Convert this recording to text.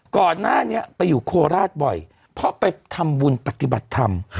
ก่อนหน้านี้ไปอยู่โคราชบ่อยเพราะไปทำบุญปฏิบัติธรรม